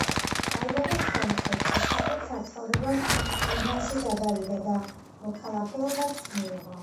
დაიბადა სომხეთში, შემდგომ საცხოვრებლად ლიბანში გადავიდა და მოქალაქეობაც მიიღო.